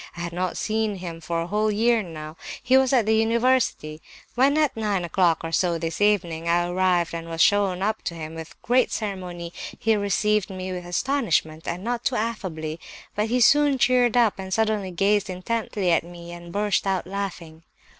I had not seen him for a whole year now; he was at the university. When, at nine o'clock, or so, this evening, I arrived and was shown up to him with great ceremony, he first received me with astonishment, and not too affably, but he soon cheered up, and suddenly gazed intently at me and burst out laughing.